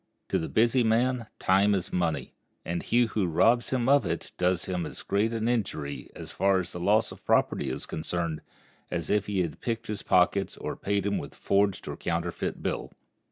To the busy man time is money, and he who robs him of it does him as great an injury, as far as loss of property is concerned, as if he had picked his pockets or paid him with a forged or counterfeit bill.